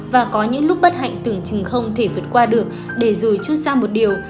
và có những lúc bất hạnh từng chừng không thể vượt qua được để rùi chút ra một điều